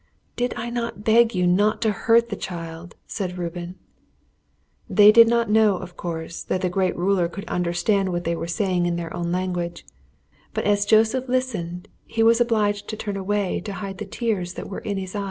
"Did I not beg you not to hurt the child?" said Reuben. They did not know, of course, that the great ruler could understand what they were saying in their own language; but as Joseph listened he was obliged to turn away to hide the tears that were in his eyes.